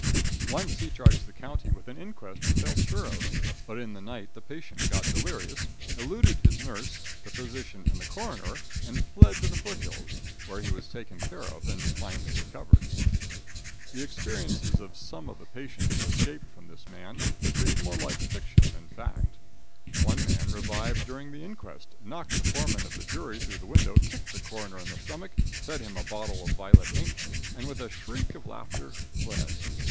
Once he charged the county with an inquest he felt sure of, but in the night the patient got delirious, eluded his nurse, the physician and coroner, and fled to the foot hills, where he was taken care of and finally recovered. The experiences of some of the patients who escaped from this man read more like fiction than fact. One man revived during the inquest, knocked the foreman of the jury through the window, kicked the coroner in the stomach, fed him a bottle of violet ink, and, with a shriek of laughter, fled.